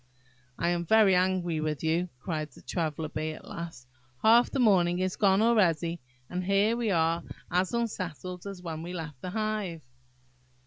"I am very angry with you," cried the Traveller bee, at last; "half the morning is gone already, and here we are as unsettled as when we left the hive!"